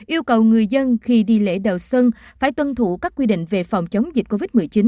yêu cầu người dân khi đi lễ đầu xuân phải tuân thủ các quy định về phòng chống dịch covid một mươi chín